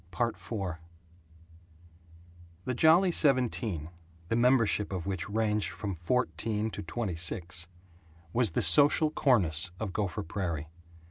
IV The Jolly Seventeen (the membership of which ranged from fourteen to twenty six) was the social cornice of Gopher Prairie.